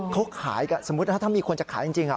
เขาขายกับสมมุติถ้ามีคนจะขายจริง